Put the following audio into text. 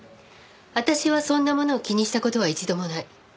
私はそんなものを気にした事は一度もない。